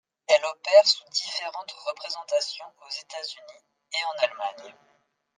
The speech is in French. Elle opère sous différentes représentations aux États-Unis et en Allemagne.